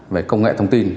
về công nghệ thông tin